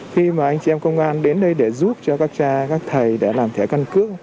khi mà anh chị em công an đến đây để giúp cho các cha các thầy để làm thẻ căn cứ